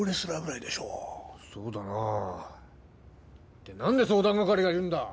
って何で相談係がいるんだ。